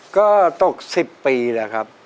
ก็ตก๑๐ปีแล้วครับ